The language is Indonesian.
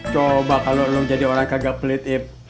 coba kalau lo jadi orang yang tidak pelit ib